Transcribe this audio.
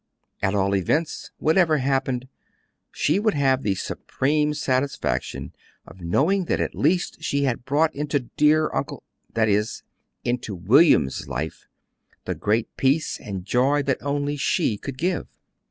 At all events, whatever happened, she would have the supreme satisfaction of knowing that at least she had brought into dear Uncle that is, into William's life the great peace and joy that only she could give.